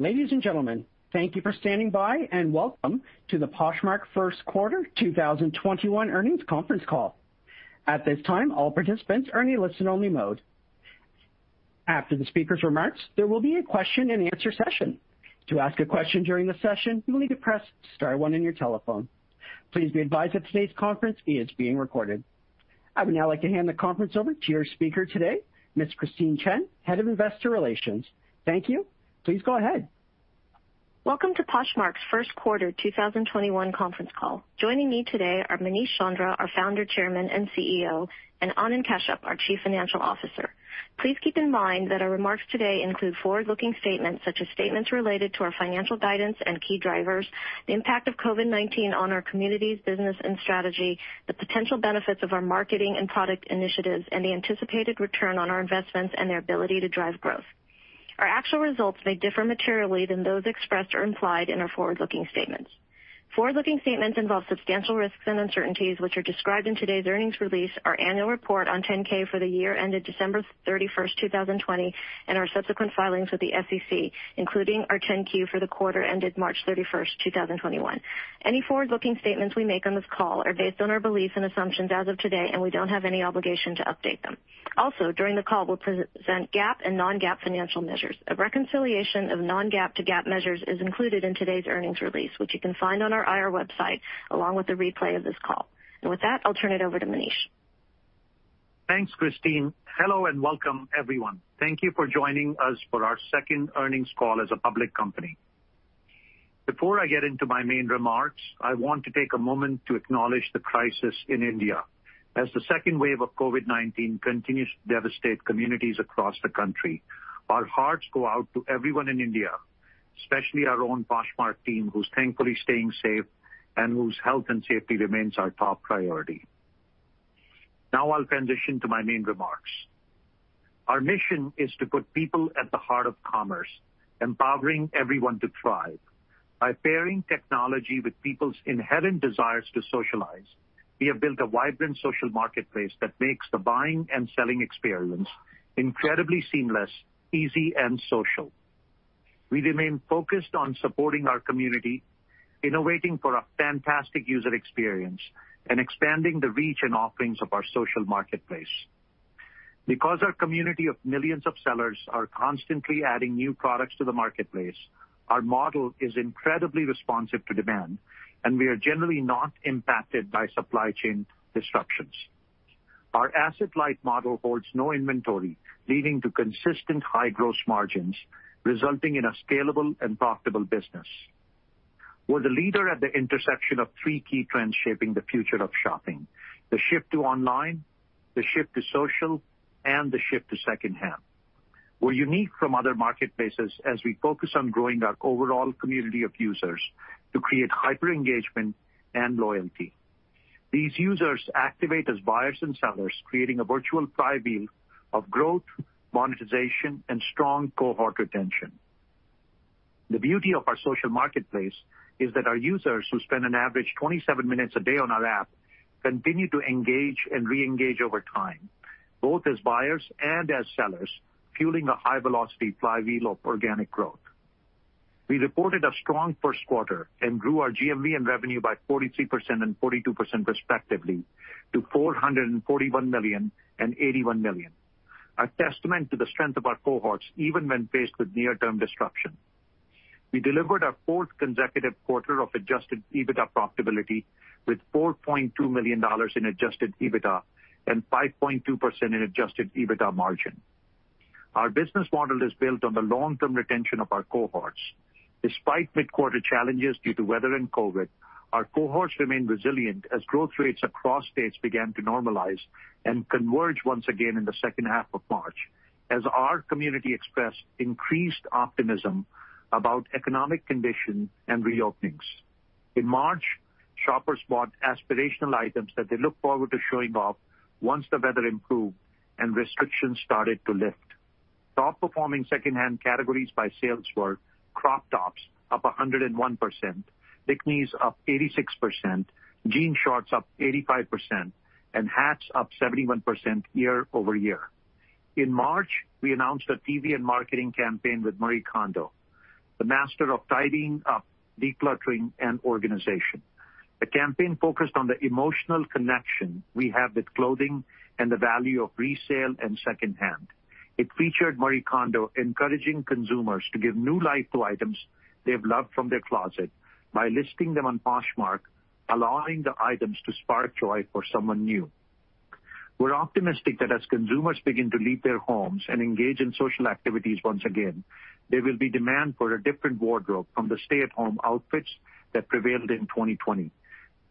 Ladies and gentlemen, thank you for standing by, and welcome to the Poshmark first quarter 2021 earnings conference call. At this time, all participants are in a listen-only mode. After the speaker's remarks, there will be a question and answer session. To ask a question during the session, you will need to press star one on your telephone. Please be advised that today's conference is being recorded. I would now like to hand the conference over to your speaker today, Ms. Christine Chen, Head of Investor Relations. Thank you. Please go ahead. Welcome to Poshmark's first quarter 2021 conference call. Joining me today are Manish Chandra, our founder, chairman, and CEO, and Anan Kashyap, our Chief Financial Officer. Please keep in mind that our remarks today include forward-looking statements such as statements related to our financial guidance and key drivers, the impact of COVID-19 on our communities, business and strategy, the potential benefits of our marketing and product initiatives, and the anticipated return on our investments and their ability to drive growth. Our actual results may differ materially than those expressed or implied in our forward-looking statements. Forward-looking statements involve substantial risks and uncertainties, which are described in today's earnings release, our annual report on 10-K for the year ended December 31st, 2020, and our subsequent filings with the SEC, including our 10-Q for the quarter ended March 31st, 2021. Any forward-looking statements we make on this call are based on our beliefs and assumptions as of today, and we don't have any obligation to update them. Also, during the call, we'll present GAAP and non-GAAP financial measures. A reconciliation of non-GAAP to GAAP measures is included in today's earnings release, which you can find on our IR website, along with the replay of this call. And with that, I'll turn it over to Manish. Thanks, Christine. Hello, and welcome, everyone. Thank you for joining us for our second earnings call as a public company. Before I get into my main remarks, I want to take a moment to acknowledge the crisis in India. As the second wave of COVID-19 continues to devastate communities across the country, our hearts go out to everyone in India, especially our own Poshmark team, who's thankfully staying safe and whose health and safety remains our top priority. Now I'll transition to my main remarks. Our mission is to put people at the heart of commerce, empowering everyone to thrive. By pairing technology with people's inherent desires to socialize, we have built a vibrant social marketplace that makes the buying and selling experience incredibly seamless, easy and social. We remain focused on supporting our community, innovating for a fantastic user experience, and expanding the reach and offerings of our social marketplace. Because our community of millions of sellers are constantly adding new products to the marketplace, our model is incredibly responsive to demand, and we are generally not impacted by supply chain disruptions. Our asset-light model holds no inventory, leading to consistent high gross margins, resulting in a scalable and profitable business. We're the leader at the intersection of three key trends shaping the future of shopping: the shift to online, the shift to social, and the shift to secondhand. We're unique from other marketplaces as we focus on growing our overall community of users to create hyper-engagement and loyalty. These users activate as buyers and sellers, creating a virtual flywheel of growth, monetization, and strong cohort retention. The beauty of our social marketplace is that our users, who spend an average 27 minutes a day on our app, continue to engage and re-engage over time, both as buyers and as sellers, fueling a high-velocity flywheel of organic growth. We reported a strong first quarter and grew our GMV and revenue by 43% and 42%, respectively, to $441 million and $81 million, a testament to the strength of our cohorts, even when faced with near-term disruption. We delivered our fourth consecutive quarter of adjusted EBITDA profitability with $4.2 million in adjusted EBITDA and 5.2% in adjusted EBITDA margin. Our business model is built on the long-term retention of our cohorts. Despite mid-quarter challenges due to weather and COVID, our cohorts remained resilient as growth rates across states began to normalize and converge once again in the second half of March, as our community expressed increased optimism about economic conditions and reopenings. In March, shoppers bought aspirational items that they looked forward to showing off once the weather improved and restrictions started to lift. Top-performing secondhand categories by sales were crop tops, up 101%, bikinis, up 86%, jean shorts, up 85%, and hats, up 71% year-over-year. In March, we announced a TV and marketing campaign with Marie Kondo, the master of tidying up, decluttering, and organization. The campaign focused on the emotional connection we have with clothing and the value of resale and secondhand. It featured Marie Kondo encouraging consumers to give new life to items they have loved from their closet by listing them on Poshmark, allowing the items to spark joy for someone new. We're optimistic that as consumers begin to leave their homes and engage in social activities once again, there will be demand for a different wardrobe from the stay-at-home outfits that prevailed in 2020.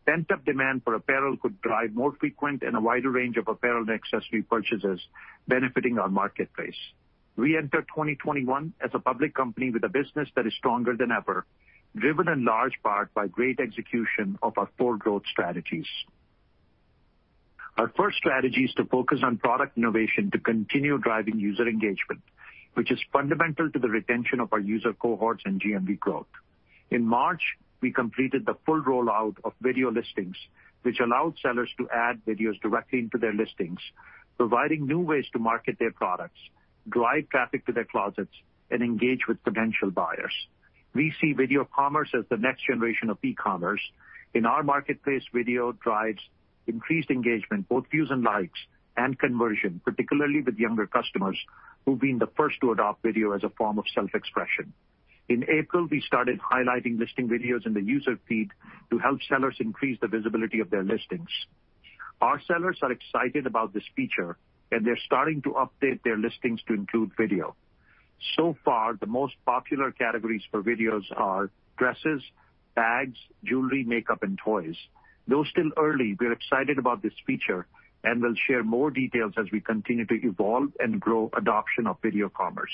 Pent-up demand for apparel could drive more frequent and a wider range of apparel and accessory purchases, benefiting our marketplace. We enter 2021 as a public company with a business that is stronger than ever, driven in large part by great execution of our four growth strategies. Our first strategy is to focus on product innovation to continue driving user engagement, which is fundamental to the retention of our user cohorts and GMV growth.... In March, we completed the full rollout of video listings, which allowed sellers to add videos directly into their listings, providing new ways to market their products, drive traffic to their closets, and engage with potential buyers. We see video commerce as the next generation of e-commerce. In our marketplace, video drives increased engagement, both views and likes, and conversion, particularly with younger customers who've been the first to adopt video as a form of self-expression. In April, we started highlighting listing videos in the user feed to help sellers increase the visibility of their listings. Our sellers are excited about this feature, and they're starting to update their listings to include video. So far, the most popular categories for videos are dresses, bags, jewelry, makeup, and toys. Though still early, we're excited about this feature, and we'll share more details as we continue to evolve and grow adoption of video commerce.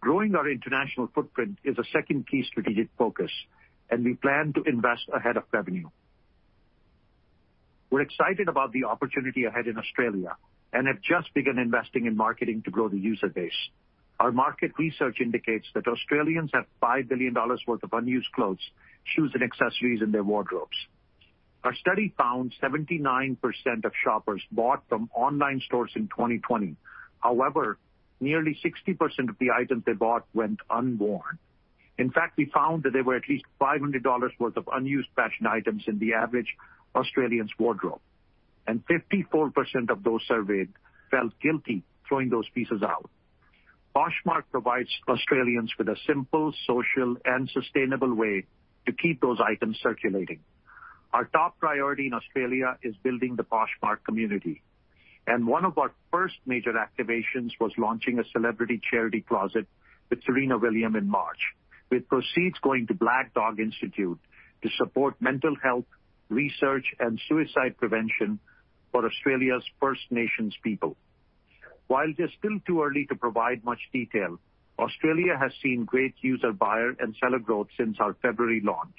Growing our international footprint is a second key strategic focus, and we plan to invest ahead of revenue. We're excited about the opportunity ahead in Australia and have just begun investing in marketing to grow the user base. Our market research indicates that Australians have 5 billion dollars worth of unused clothes, shoes, and accessories in their wardrobes. Our study found 79% of shoppers bought from online stores in 2020. However, nearly 60% of the items they bought went unworn. In fact, we found that there were at least 500 dollars worth of unused fashion items in the average Australian's wardrobe, and 54% of those surveyed felt guilty throwing those pieces out. Poshmark provides Australians with a simple, social, and sustainable way to keep those items circulating. Our top priority in Australia is building the Poshmark community, and one of our first major activations was launching a celebrity charity closet with Serena Williams in March, with proceeds going to Black Dog Institute to support mental health, research, and suicide prevention for Australia's First Nations people. While it is still too early to provide much detail, Australia has seen great user, buyer, and seller growth since our February launch.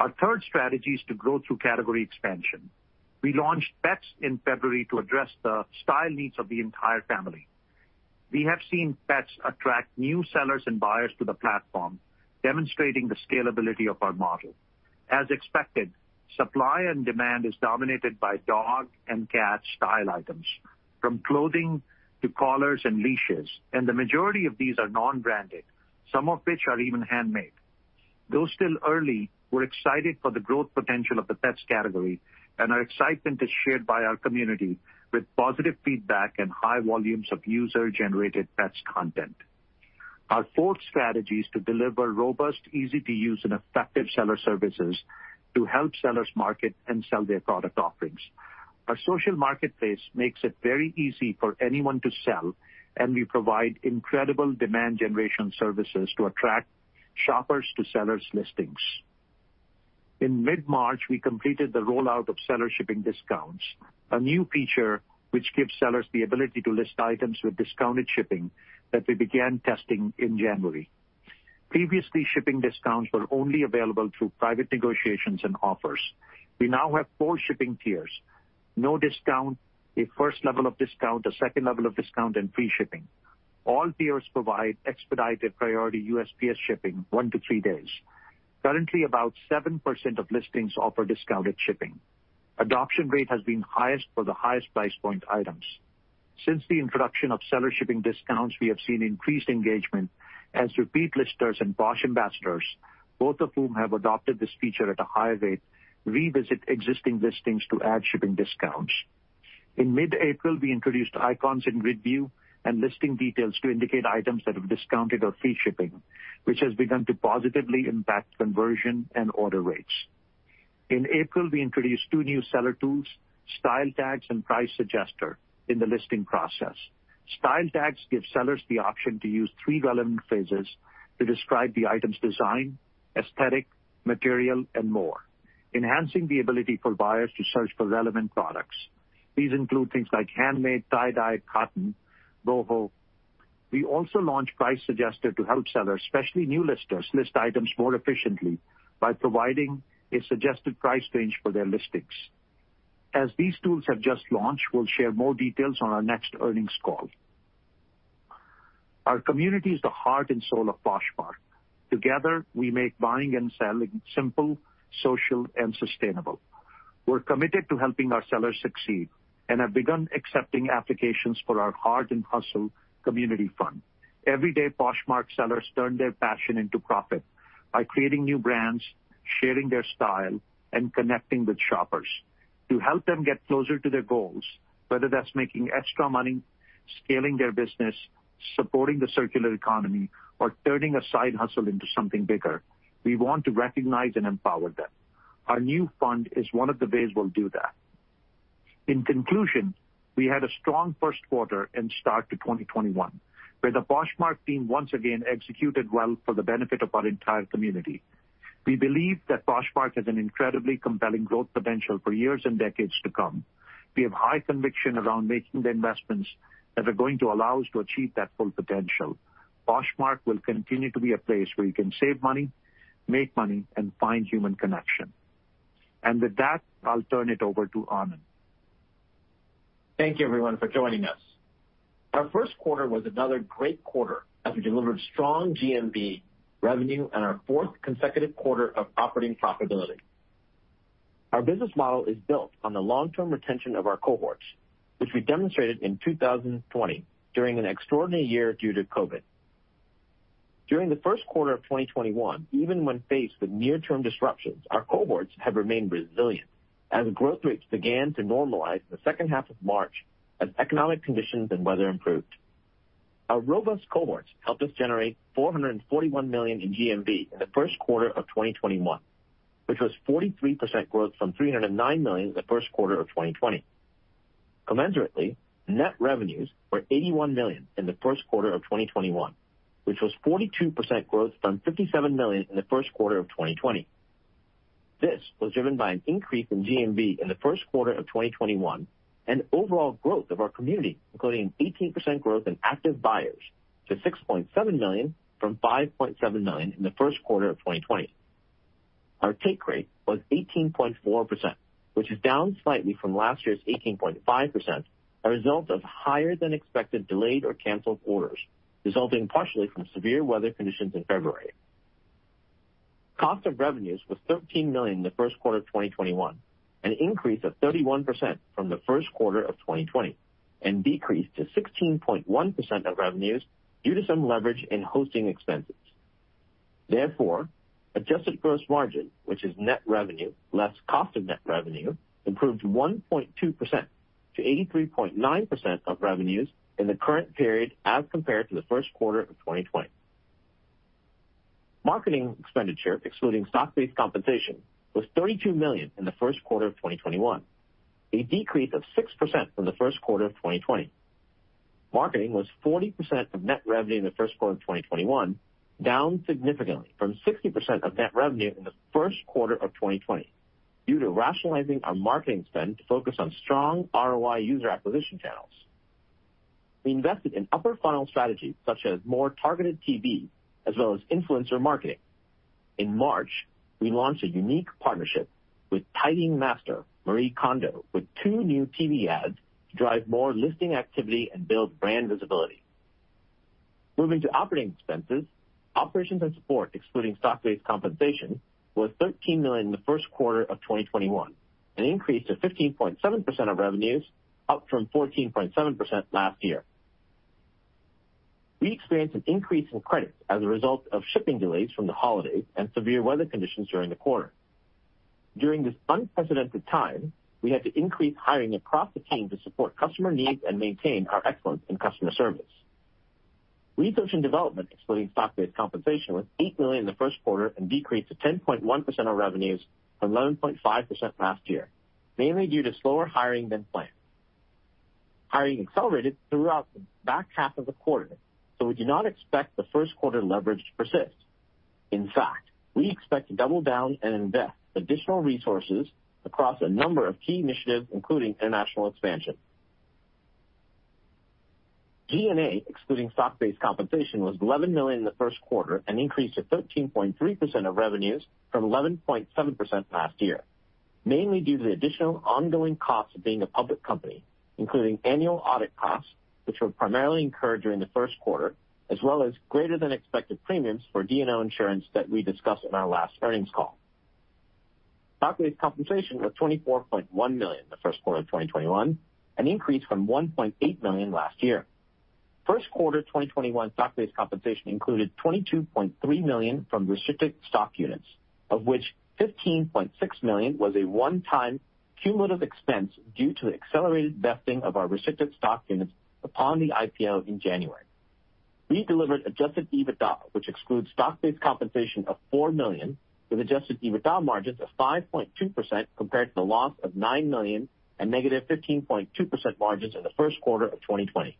Our third strategy is to grow through category expansion. We launched Pets in February to address the style needs of the entire family. We have seen Pets attract new sellers and buyers to the platform, demonstrating the scalability of our model. As expected, supply and demand is dominated by dog and cat style items, from clothing to collars and leashes, and the majority of these are non-branded, some of which are even handmade. Though still early, we're excited for the growth potential of the Pets category, and our excitement is shared by our community with positive feedback and high volumes of user-generated Pets content. Our fourth strategy is to deliver robust, easy-to-use, and effective seller services to help sellers market and sell their product offerings. Our social marketplace makes it very easy for anyone to sell, and we provide incredible demand generation services to attract shoppers to sellers' listings. In mid-March, we completed the rollout of seller shipping discounts, a new feature which gives sellers the ability to list items with discounted shipping that we began testing in January. Previously, shipping discounts were only available through private negotiations and offers. We now have four shipping tiers: no discount, a first level of discount, a second level of discount, and free shipping. All tiers provide expedited priority USPS shipping, one to three days. Currently, about 7% of listings offer discounted shipping. Adoption rate has been highest for the highest price point items. Since the introduction of seller shipping discounts, we have seen increased engagement as repeat listers and Posh Ambassadors, both of whom have adopted this feature at a high rate, revisit existing listings to add shipping discounts. In mid-April, we introduced icons in grid view and listing details to indicate items that have discounted or free shipping, which has begun to positively impact conversion and order rates. In April, we introduced two new seller tools, Style Tags and Price Suggester, in the listing process. Style Tags give sellers the option to use three relevant phrases to describe the item's design, aesthetic, material, and more, enhancing the ability for buyers to search for relevant products. These include things like handmade, tie-dye, cotton, boho. We also launched Price Suggester to help sellers, especially new listers, list items more efficiently by providing a suggested price range for their listings. As these tools have just launched, we'll share more details on our next earnings call. Our community is the heart and soul of Poshmark. Together, we make buying and selling simple, social, and sustainable. We're committed to helping our sellers succeed and have begun accepting applications for our Heart & Hustle Community Fund. Every day, Poshmark sellers turn their passion into profit by creating new brands, sharing their style, and connecting with shoppers. To help them get closer to their goals, whether that's making extra money, scaling their business, supporting the circular economy, or turning a side hustle into something bigger, we want to recognize and empower them. Our new fund is one of the ways we'll do that. In conclusion, we had a strong first quarter and start to 2021, where the Poshmark team once again executed well for the benefit of our entire community. We believe that Poshmark has an incredibly compelling growth potential for years and decades to come. We have high conviction around making the investments that are going to allow us to achieve that full potential. Poshmark will continue to be a place where you can save money, make money, and find human connection. With that, I'll turn it over to Anan.... Thank you everyone for joining us. Our first quarter was another great quarter as we delivered strong GMV revenue and our fourth consecutive quarter of operating profitability. Our business model is built on the long-term retention of our cohorts, which we demonstrated in 2020 during an extraordinary year due to COVID. During the first quarter of 2021, even when faced with near-term disruptions, our cohorts have remained resilient as growth rates began to normalize in the second half of March as economic conditions and weather improved. Our robust cohorts helped us generate $441 million in GMV in the first quarter of 2021, which was 43% growth from $309 million in the first quarter of 2020. Commensurately, net revenues were $81 million in the first quarter of 2021, which was 42% growth from $57 million in the first quarter of 2020. This was driven by an increase in GMV in the first quarter of 2021 and overall growth of our community, including an 18% growth in Active Buyers to 6.7 million from 5.7 million in the first quarter of 2020. Our take rate was 18.4%, which is down slightly from last year's 18.5%, a result of higher than expected delayed or canceled orders, resulting partially from severe weather conditions in February. Cost of revenues was $13 million in the first quarter of 2021, an increase of 31% from the first quarter of 2020, and decreased to 16.1% of revenues due to some leverage in hosting expenses. Therefore, adjusted gross margin, which is net revenue less cost of net revenue, improved 1.2% to 83.9% of revenues in the current period as compared to the first quarter of 2020. Marketing expenditure, excluding stock-based compensation, was $32 million in the first quarter of 2021, a decrease of 6% from the first quarter of 2020. Marketing was 40% of net revenue in the first quarter of 2021, down significantly from 60% of net revenue in the first quarter of 2020 due to rationalizing our marketing spend to focus on strong ROI user acquisition channels. We invested in upper funnel strategies such as more targeted TV as well as influencer marketing. In March, we launched a unique partnership with tidying master, Marie Kondo, with two new TV ads to drive more listing activity and build brand visibility. Moving to operating expenses, operations and support, excluding stock-based compensation, was $13 million in the first quarter of 2021, an increase to 15.7% of revenues, up from 14.7% last year. We experienced an increase in credit as a result of shipping delays from the holiday and severe weather conditions during the quarter. During this unprecedented time, we had to increase hiring across the team to support customer needs and maintain our excellence in customer service. Research and development, excluding stock-based compensation, was $8 million in the first quarter and decreased to 10.1% of revenues from 11.5% last year, mainly due to slower hiring than planned. Hiring accelerated throughout the back half of the quarter, so we do not expect the first quarter leverage to persist. In fact, we expect to double down and invest additional resources across a number of key initiatives, including international expansion. G&A, excluding stock-based compensation, was $11 million in the first quarter, an increase to 13.3% of revenues from 11.7% last year, mainly due to the additional ongoing costs of being a public company, including annual audit costs, which were primarily incurred during the first quarter, as well as greater than expected premiums for D&O insurance that we discussed in our last earnings call. Stock-based compensation was $24.1 million in the first quarter of 2021, an increase from $1.8 million last year. First quarter 2021 stock-based compensation included $22.3 million from restricted stock units, of which $15.6 million was a one-time cumulative expense due to accelerated vesting of our restricted stock units upon the IPO in January. We delivered adjusted EBITDA, which excludes stock-based compensation of $4 million, with adjusted EBITDA margins of 5.2% compared to the loss of $9 million and -15.2% margins in the first quarter of 2020.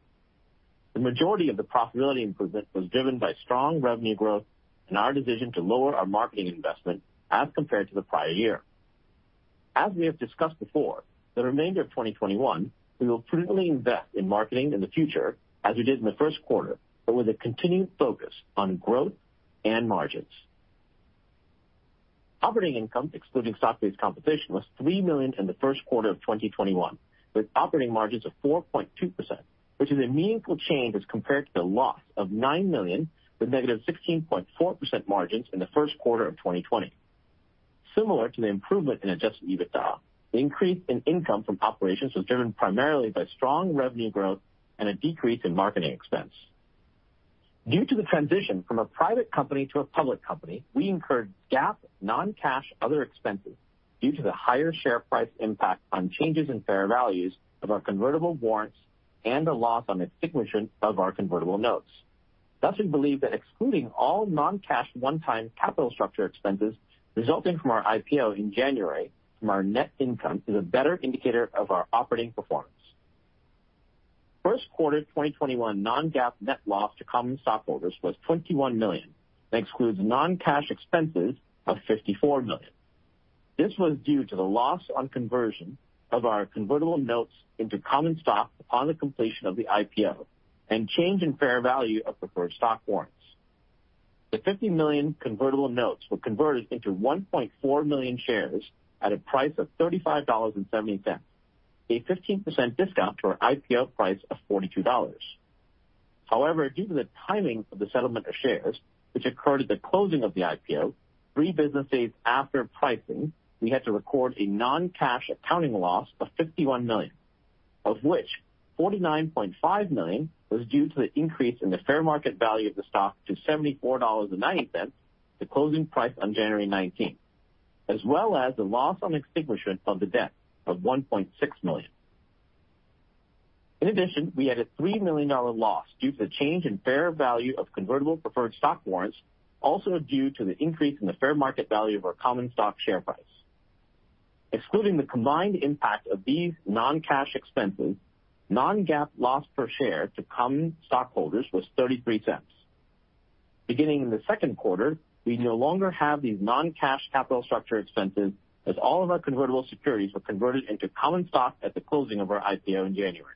The majority of the profitability improvement was driven by strong revenue growth and our decision to lower our marketing investment as compared to the prior year. As we have discussed before, the remainder of 2021, we will prudently invest in marketing in the future as we did in the first quarter, but with a continued focus on growth and margins. Operating income, excluding stock-based compensation, was $3 million in the first quarter of 2021, with operating margins of 4.2%, which is a meaningful change as compared to the loss of $9 million with -16.4% margins in the first quarter of 2020. Similar to the improvement in adjusted EBITDA, the increase in income from operations was driven primarily by strong revenue growth and a decrease in marketing expense. Due to the transition from a private company to a public company, we incurred GAAP non-cash other expenses due to the higher share price impact on changes in fair values of our convertible warrants and a loss on extinguishment of our convertible notes. Dustin believed that excluding all non-cash, one-time capital structure expenses resulting from our IPO in January from our net income is a better indicator of our operating performance. First quarter 2021 non-GAAP net loss to common stockholders was $21 million, that excludes non-cash expenses of $54 million. This was due to the loss on conversion of our convertible notes into common stock upon the completion of the IPO and change in fair value of preferred stock warrants. The $50 million convertible notes were converted into 1.4 million shares at a price of $35.70, a 15% discount to our IPO price of $42. However, due to the timing of the settlement of shares, which occurred at the closing of the IPO, three business days after pricing, we had to record a non-cash accounting loss of $51 million, of which $49.5 million was due to the increase in the fair market value of the stock to $74.09, the closing price on January 19, as well as the loss on extinguishment of the debt of $1.6 million. In addition, we had a $3 million loss due to the change in fair value of convertible preferred stock warrants, also due to the increase in the fair market value of our common stock share price. Excluding the combined impact of these non-cash expenses, non-GAAP loss per share to common stockholders was $0.33. Beginning in the second quarter, we no longer have these non-cash capital structure expenses, as all of our convertible securities were converted into common stock at the closing of our IPO in January.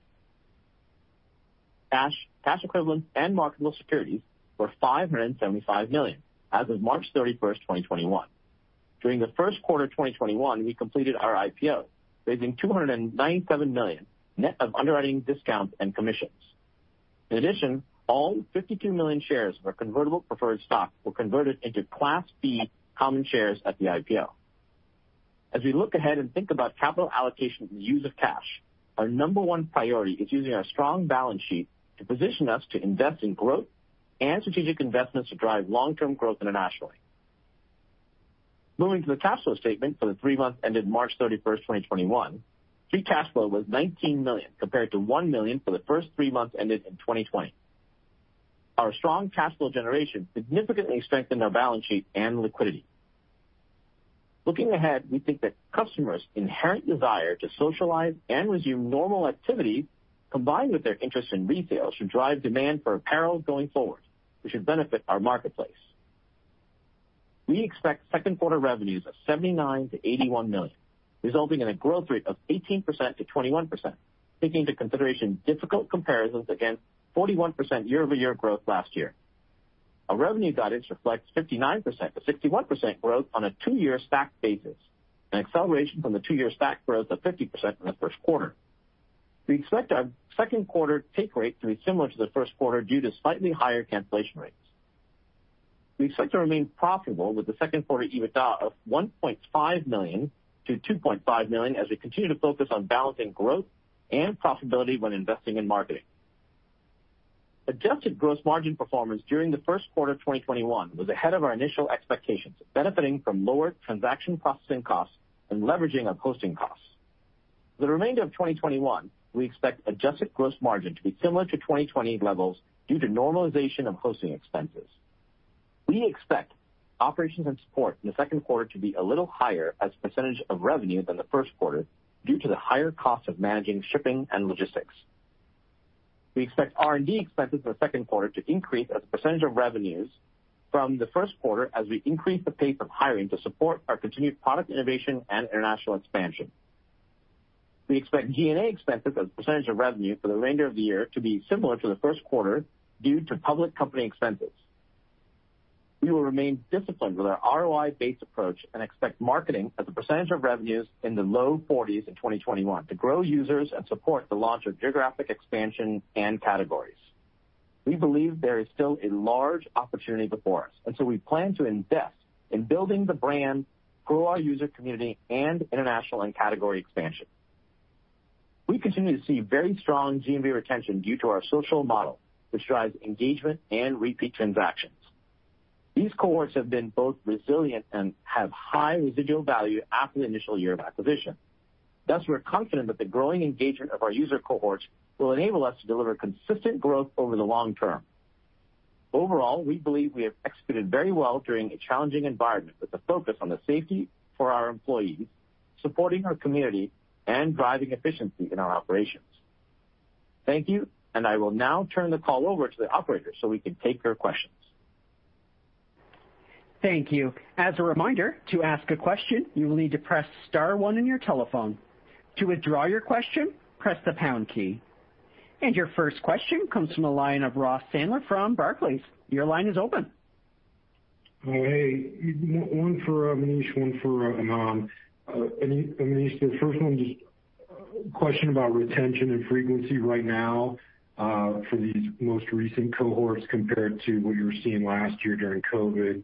Cash, cash equivalents, and marketable securities were $575 million as of March 31, 2021. During the first quarter of 2021, we completed our IPO, raising $297 million, net of underwriting discounts and commissions. In addition, all 52 million shares of our convertible preferred stock were converted into class B common shares at the IPO. As we look ahead and think about capital allocation and use of cash, our number one priority is using our strong balance sheet to position us to invest in growth and strategic investments to drive long-term growth internationally. Moving to the cash flow statement for the three months ended March 31, 2021, free cash flow was $19 million, compared to $1 million for the first three months ended in 2020. Our strong cash flow generation significantly strengthened our balance sheet and liquidity. Looking ahead, we think that customers' inherent desire to socialize and resume normal activity, combined with their interest in retail, should drive demand for apparel going forward, which should benefit our marketplace. We expect second quarter revenues of $79 million-$81 million, resulting in a growth rate of 18%-21%, taking into consideration difficult comparisons against 41% year-over-year growth last year. Our revenue guidance reflects 59%-61% growth on a two-year stack basis, an acceleration from the two-year stack growth of 50% in the first quarter. We expect our second quarter take rate to be similar to the first quarter due to slightly higher cancellation rates. We expect to remain profitable with the second quarter EBITDA of $1.5 million-$2.5 million as we continue to focus on balancing growth and profitability when investing in marketing. Adjusted gross margin performance during the first quarter of 2021 was ahead of our initial expectations, benefiting from lower transaction processing costs and leveraging of hosting costs. For the remainder of 2021, we expect adjusted gross margin to be similar to 2020 levels due to normalization of hosting expenses. We expect operations and support in the second quarter to be a little higher as a percentage of revenue than the first quarter, due to the higher cost of managing shipping and logistics. We expect R&D expenses in the second quarter to increase as a percentage of revenues from the first quarter as we increase the pace of hiring to support our continued product innovation and international expansion. We expect G&A expenses as a percentage of revenue for the remainder of the year to be similar to the first quarter due to public company expenses. We will remain disciplined with our ROI-based approach and expect marketing as a percentage of revenues in the low 40s% in 2021 to grow users and support the launch of geographic expansion and categories. We believe there is still a large opportunity before us, and so we plan to invest in building the brand, grow our user community, and international and category expansion. We continue to see very strong GMV retention due to our social model, which drives engagement and repeat transactions. These cohorts have been both resilient and have high residual value after the initial year of acquisition. Thus, we're confident that the growing engagement of our user cohorts will enable us to deliver consistent growth over the long term. Overall, we believe we have executed very well during a challenging environment, with a focus on the safety for our employees, supporting our community, and driving efficiency in our operations. Thank you, and I will now turn the call over to the operator so we can take your questions. Thank you. As a reminder, to ask a question, you will need to press star one on your telephone. To withdraw your question, press the pound key. Your first question comes from the line of Ross Sandler from Barclays. Your line is open. Hey, one for Manish, one for Anan. Manish, the first one, just a question about retention and frequency right now for these most recent cohorts compared to what you were seeing last year during COVID.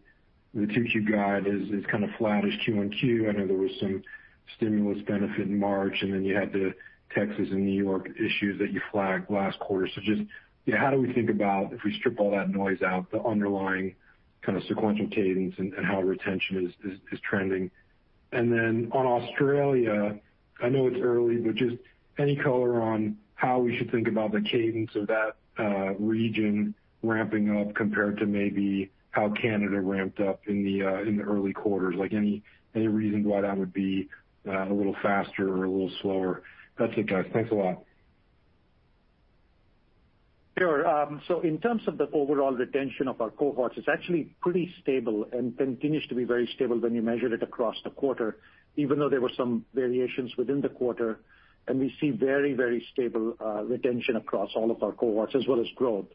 The issue is kind of flat as Q1 QoQ. I know there was some stimulus benefit in March, and then you had the Texas and New York issues that you flagged last quarter. So just, how do we think about, if we strip all that noise out, the underlying kind of sequential cadence and how retention is trending? And then on Australia, I know it's early, but just any color on how we should think about the cadence of that region ramping up compared to maybe how Canada ramped up in the early quarters? Like, any, any reason why that would be, a little faster or a little slower? That's it, guys. Thanks a lot.... Sure. So in terms of the overall retention of our cohorts, it's actually pretty stable and continues to be very stable when you measure it across the quarter, even though there were some variations within the quarter. We see very, very stable retention across all of our cohorts as well as growth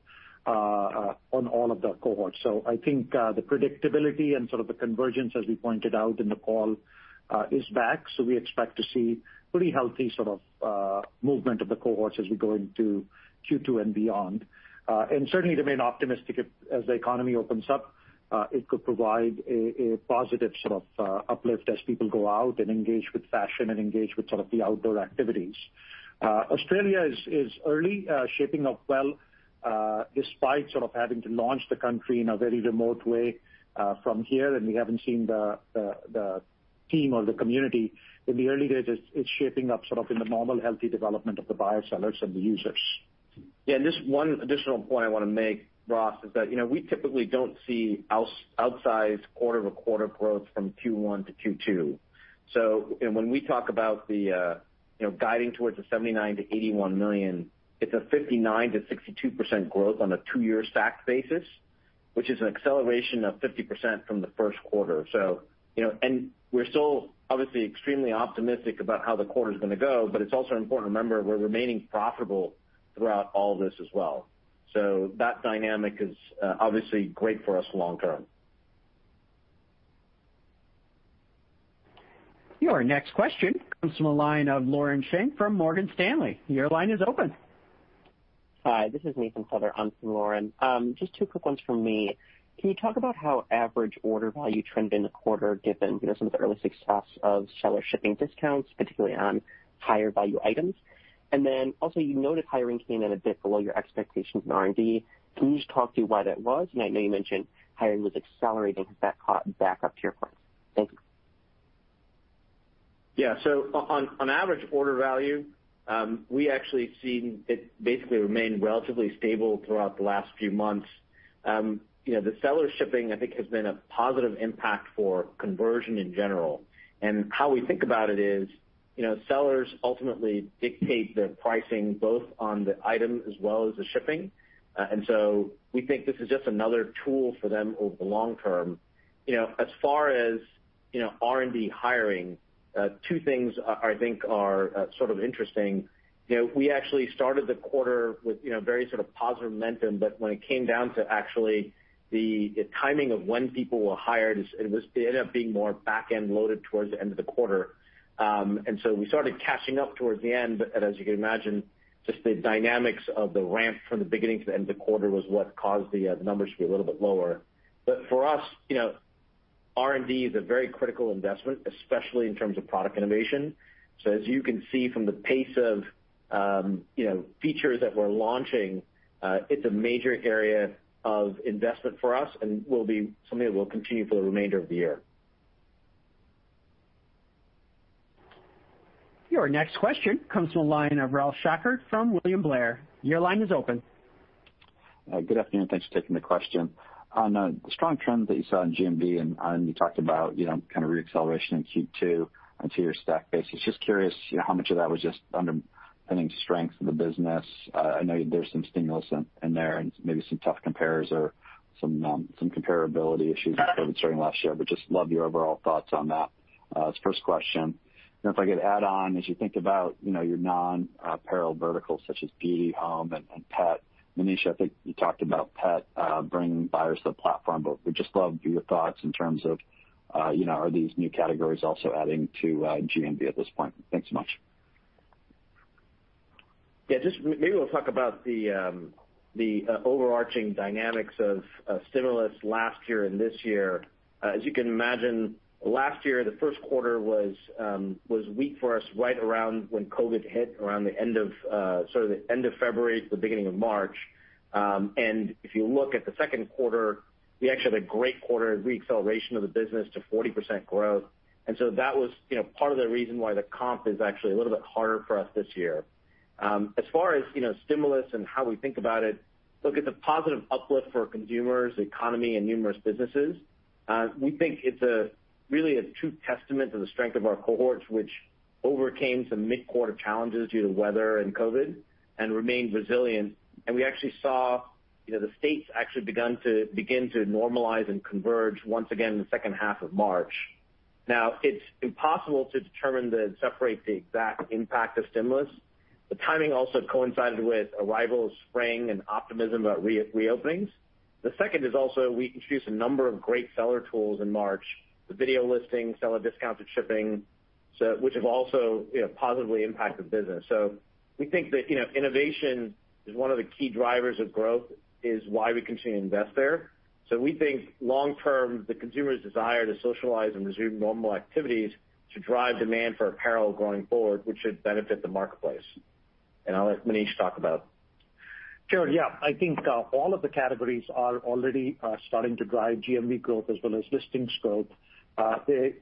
on all of the cohorts. I think the predictability and sort of the convergence, as we pointed out in the call, is back. We expect to see pretty healthy sort of movement of the cohorts as we go into Q2 and beyond. And certainly remain optimistic if, as the economy opens up, it could provide a positive sort of uplift as people go out and engage with fashion and engage with sort of the outdoor activities. Australia is early shaping up well, despite sort of having to launch the country in a very remote way, from here, and we haven't seen the team or the community. In the early days, it's shaping up sort of in the normal, healthy development of the buyers, sellers, and the users. Yeah, and just one additional point I want to make, Ross, is that, you know, we typically don't see outsized quarter-over-quarter growth from Q1 to Q2. So, and when we talk about the, you know, guiding towards the $79 million-$81 million, it's a 59%-62% growth on a two-year stack basis, which is an acceleration of 50% from the first quarter. So, you know, and we're still obviously extremely optimistic about how the quarter is gonna go, but it's also important to remember we're remaining profitable throughout all this as well. So that dynamic is, obviously great for us long term. Your next question comes from the line of Lauren Schenk from Morgan Stanley. Your line is open. Hi, this is Nathan Feather in for Lauren. Just two quick ones from me. Can you talk about how average order value trended in the quarter, given, you know, some of the early success of seller shipping discounts, particularly on higher value items? And then also, you noted hiring came in a bit below your expectations in R&D. Can you just talk through why that was? And I know you mentioned hiring was accelerating. Has that caught back up to your point? Thank you. Yeah. So on average order value, we actually seen it basically remain relatively stable throughout the last few months. You know, the seller shipping, I think, has been a positive impact for conversion in general. And how we think about it is, you know, sellers ultimately dictate their pricing, both on the item as well as the shipping. And so we think this is just another tool for them over the long term. You know, as far as R&D hiring, two things I think are sort of interesting. You know, we actually started the quarter with very sort of positive momentum, but when it came down to actually the timing of when people were hired, it ended up being more back-end loaded towards the end of the quarter. We started catching up towards the end, but as you can imagine, just the dynamics of the ramp from the beginning to the end of the quarter was what caused the numbers to be a little bit lower. For us, you know, R&D is a very critical investment, especially in terms of product innovation. As you can see from the pace of, you know, features that we're launching, it's a major area of investment for us and will be something that will continue for the remainder of the year. Your next question comes from the line of Ralph Schackart from William Blair. Your line is open. Good afternoon. Thanks for taking the question. On the strong trend that you saw in GMV, and you talked about, you know, kind of re-acceleration in Q2 on two-year stack basis. Just curious, you know, how much of that was just underpinning strength of the business. I know there's some stimulus in there and maybe some tough compares or some comparability issues with COVID during last year, but just love your overall thoughts on that, as the first question. And if I could add on, as you think about, you know, your non-apparel verticals such as beauty, home, and pet. Manish, I think you talked about pet bringing buyers to the platform, but we'd just love your thoughts in terms of, you know, are these new categories also adding to GMV at this point? Thanks so much. Yeah, just maybe we'll talk about the overarching dynamics of stimulus last year and this year. As you can imagine, last year, the first quarter was weak for us, right around when COVID hit, around the end of sort of the end of February to the beginning of March. And if you look at the second quarter, we actually had a great quarter re-acceleration of the business to 40% growth. And so that was, you know, part of the reason why the comp is actually a little bit harder for us this year. As far as, you know, stimulus and how we think about it, look, it's a positive uplift for consumers, the economy, and numerous businesses. We think it's really a true testament to the strength of our cohorts, which overcame some mid-quarter challenges due to weather and COVID and remained resilient. And we actually saw, you know, the states actually begin to normalize and converge once again in the second half of March. Now, it's impossible to determine separate the exact impact of stimulus. The timing also coincided with arrival of spring and optimism about reopenings. The second is also we introduced a number of great seller tools in March, the video listing, seller discounted shipping, so which have also, you know, positively impacted the business. So we think that, you know, innovation is one of the key drivers of growth, is why we continue to invest there. We think long term, the consumer's desire to socialize and resume normal activities should drive demand for apparel going forward, which should benefit the marketplace. I'll let Manish talk about. Sure. Yeah. I think all of the categories are already starting to drive GMV growth as well as listings growth. The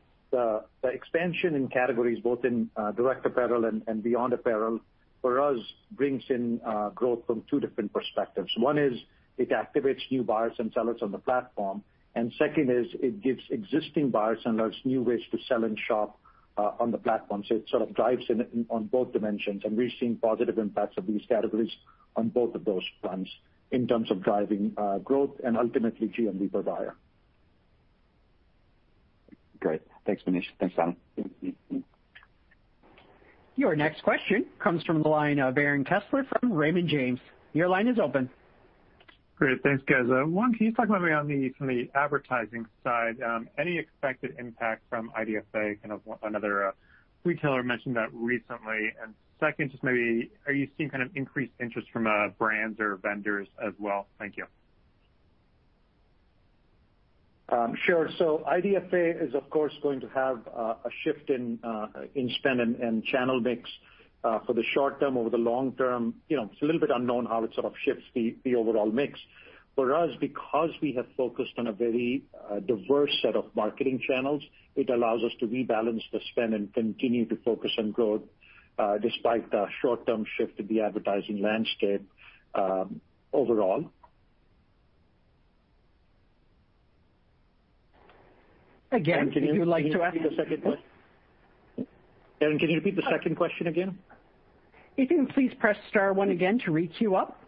expansion in categories, both in direct apparel and beyond apparel, for us, brings in growth from two different perspectives. One is it activates new buyers and sellers on the platform, and second is it gives existing buyers and sellers new ways to sell and shop on the platform. So it sort of drives in on both dimensions, and we're seeing positive impacts of these categories on both of those fronts in terms of driving growth and ultimately GMV per buyer. ... Great. Thanks, Manish. Thanks, Anan. Your next question comes from the line of Aaron Kessler from Raymond James. Your line is open. Great. Thanks, guys. One, can you talk about maybe on the, from the advertising side, any expected impact from IDFA? Kind of another retailer mentioned that recently. And second, just maybe, are you seeing kind of increased interest from brands or vendors as well? Thank you. Sure. So IDFA is, of course, going to have a shift in spend and channel mix for the short term. Over the long term, you know, it's a little bit unknown how it sort of shifts the overall mix. For us, because we have focused on a very diverse set of marketing channels, it allows us to rebalance the spend and continue to focus on growth despite the short-term shift of the advertising landscape overall. Again, if you would like to ask- Can you repeat the second question? Aaron, can you repeat the second question again? If you can please press star one again to requeue up.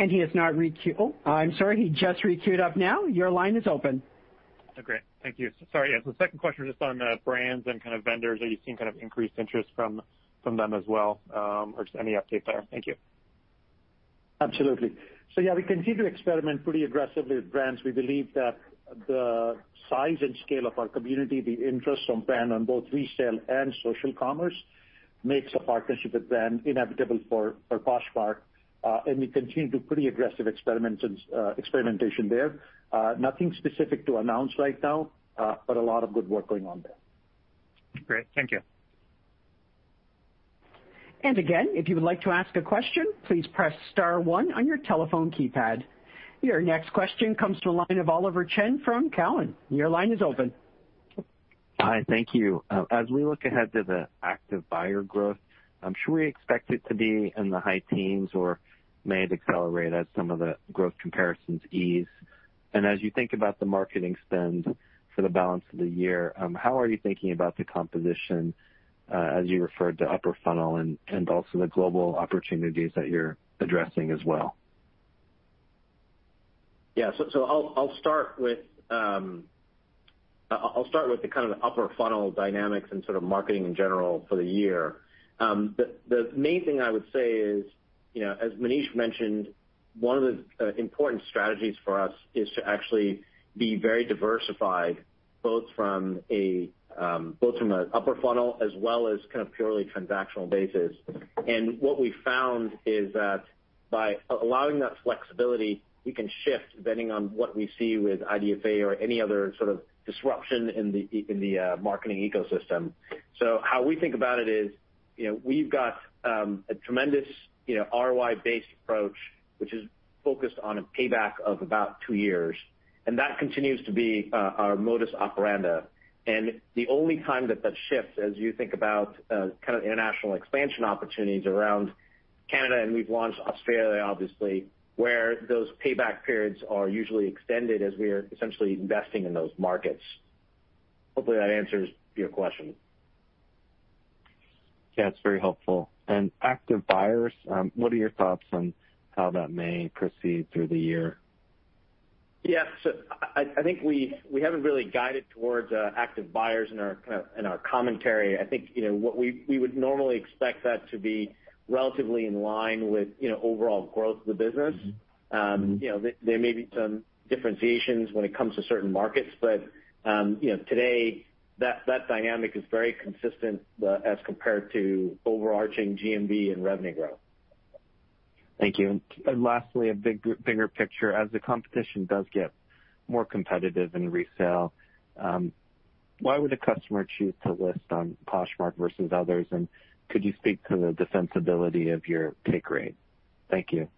And he is not requeued. Oh, I'm sorry, he just requeued up now. Your line is open. Oh, great. Thank you. Sorry. Yeah, so the second question was just on brands and kind of vendors. Are you seeing kind of increased interest from them as well, or just any update there? Thank you. Absolutely. So yeah, we continue to experiment pretty aggressively with brands. We believe that the size and scale of our community, the interest from brands on both resale and social commerce, makes a partnership with them inevitable for Poshmark. And we continue to do pretty aggressive experimentation there. Nothing specific to announce right now, but a lot of good work going on there. Great. Thank you. Again, if you would like to ask a question, please press star one on your telephone keypad. Your next question comes from the line of Oliver Chen from Cowen. Your line is open. Hi. Thank you. As we look ahead to the active buyer growth, I'm sure we expect it to be in the high teens or may have accelerated as some of the growth comparisons ease. And as you think about the marketing spend for the balance of the year, how are you thinking about the composition, as you referred to upper funnel and also the global opportunities that you're addressing as well? Yeah. So I'll start with the kind of the upper funnel dynamics and sort of marketing in general for the year. The main thing I would say is, you know, as Manish mentioned, one of the important strategies for us is to actually be very diversified, both from an upper funnel as well as kind of purely transactional basis. And what we found is that by allowing that flexibility, we can shift depending on what we see with IDFA or any other sort of disruption in the marketing ecosystem. So how we think about it is, you know, we've got a tremendous ROI-based approach, which is focused on a payback of about two years, and that continues to be our modus operandi. The only time that that shifts, as you think about kind of international expansion opportunities around Canada, and we've launched Australia, obviously, where those payback periods are usually extended as we are essentially investing in those markets. Hopefully, that answers your question. Yeah, it's very helpful. And active buyers, what are your thoughts on how that may proceed through the year? Yeah. So I think we haven't really guided towards active buyers in our kind of commentary. I think, you know, what we would normally expect that to be relatively in line with, you know, overall growth of the business. You know, there may be some differentiations when it comes to certain markets, but, you know, today, that dynamic is very consistent as compared to overarching GMV and revenue growth. Thank you. And lastly, a big, bigger picture. As the competition does get more competitive in resale, why would a customer choose to list on Poshmark versus others? And could you speak to the defensibility of your take rate? Thank you.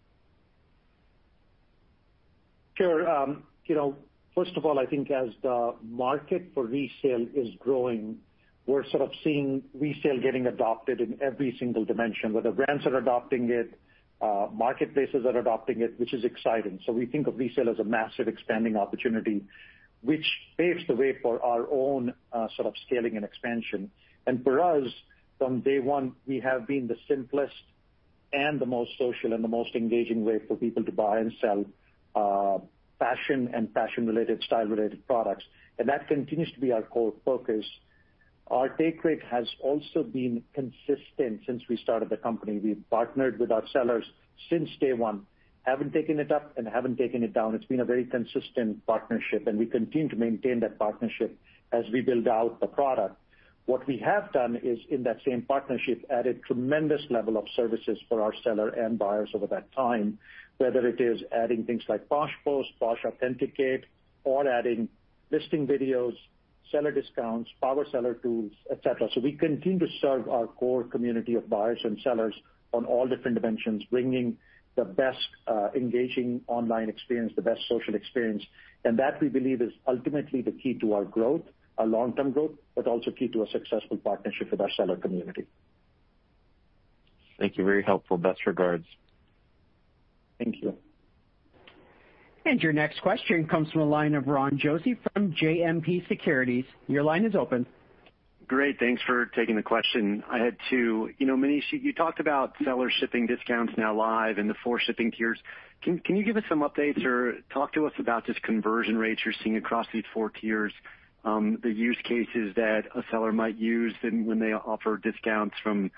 Sure. You know, first of all, I think as the market for resale is growing, we're sort of seeing resale getting adopted in every single dimension, whether brands are adopting it, marketplaces are adopting it, which is exciting. So we think of resale as a massive expanding opportunity, which paves the way for our own, sort of scaling and expansion. And for us, from day one, we have been the simplest and the most social and the most engaging way for people to buy and sell, fashion and fashion-related, style-related products, and that continues to be our core focus. Our take rate has also been consistent since we started the company. We've partnered with our sellers since day one, haven't taken it up and haven't taken it down. It's been a very consistent partnership, and we continue to maintain that partnership as we build out the product. What we have done is, in that same partnership, added tremendous level of services for our seller and buyers over that time, whether it is adding things like Posh Post, Posh Authenticate, or adding listing videos, seller discounts, power seller tools, et cetera. So we continue to serve our core community of buyers and sellers on all different dimensions, bringing the best, engaging online experience, the best social experience. And that, we believe, is ultimately the key to our growth, our long-term growth, but also key to a successful partnership with our seller community. Thank you. Very helpful. Best regards. Thank you. Your next question comes from the line of Ron Josey from JMP Securities. Your line is open. Great, thanks for taking the question. I had two. You know, Manish, you talked about seller shipping discounts now live and the four shipping tiers. Can you give us some updates or talk to us about just conversion rates you're seeing across these four tiers? The use cases that a seller might use when they offer discounts from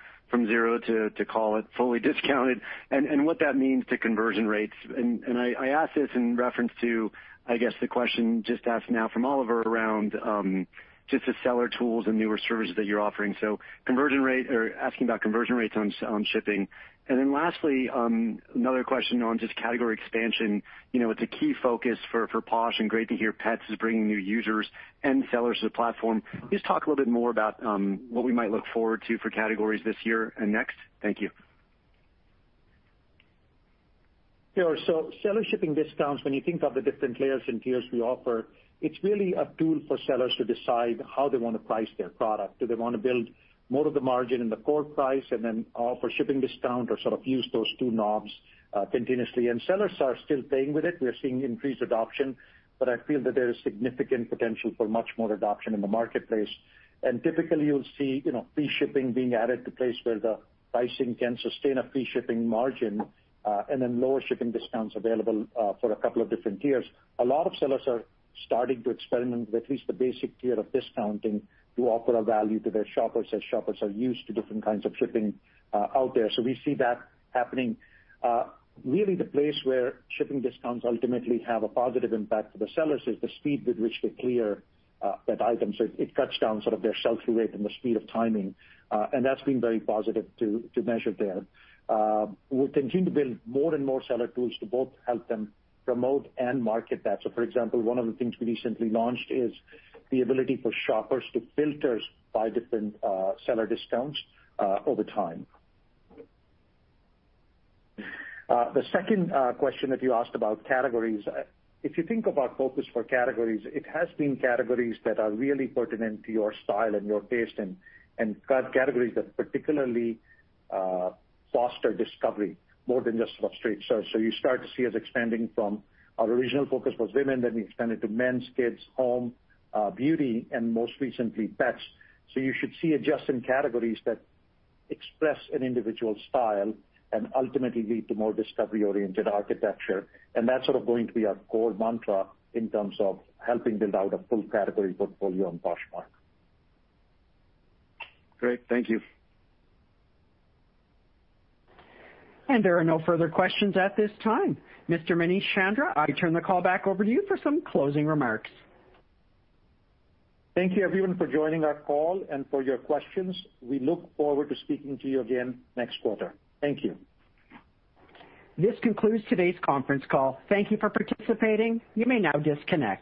zero to call it fully discounted, and what that means to conversion rates. And I ask this in reference to, I guess, the question just asked now from Oliver around just the seller tools and newer services that you're offering. So conversion rate or asking about conversion rates on shipping. And then lastly, another question on just category expansion. You know, it's a key focus for, for Posh, and great to hear Pets is bringing new users and sellers to the platform. Can you just talk a little bit more about what we might look forward to for categories this year and next? Thank you. Sure. So seller shipping discounts, when you think of the different layers and tiers we offer, it's really a tool for sellers to decide how they want to price their product. Do they want to build more of the margin in the core price and then offer shipping discount or sort of use those two knobs, continuously? And sellers are still playing with it. We are seeing increased adoption, but I feel that there is significant potential for much more adoption in the marketplace. And typically, you'll see, you know, free shipping being added to place where the pricing can sustain a free shipping margin, and then lower shipping discounts available, for a couple of different tiers. A lot of sellers are starting to experiment with at least the basic tier of discounting to offer a value to their shoppers, as shoppers are used to different kinds of shipping out there, so we see that happening. Really, the place where shipping discounts ultimately have a positive impact to the sellers is the speed with which they clear that item. So it cuts down sort of their shelf rate and the speed of timing, and that's been very positive to measure there. We'll continue to build more and more seller tools to both help them promote and market that. So for example, one of the things we recently launched is the ability for shoppers to filter by different seller discounts over time. The second question that you asked about categories. If you think of our focus for categories, it has been categories that are really pertinent to your style and your taste and categories that particularly foster discovery more than just straight. So you start to see us expanding from our original focus was women, then we expanded to men's, kids, home, beauty, and most recently, pets. So you should see us just in categories that express an individual style and ultimately lead to more discovery-oriented architecture. And that's sort of going to be our core mantra in terms of helping build out a full category portfolio on Poshmark. Great. Thank you. There are no further questions at this time. Mr. Manish Chandra, I turn the call back over to you for some closing remarks. Thank you, everyone, for joining our call and for your questions. We look forward to speaking to you again next quarter. Thank you. This concludes today's conference call. Thank you for participating. You may now disconnect.